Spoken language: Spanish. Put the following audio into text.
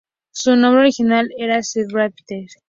Su nombre original era Stadttheater.